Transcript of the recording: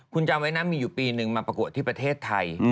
คุณจำไว้นะมีอยู่ปีนึงมาประกวดที่ประเทศไทย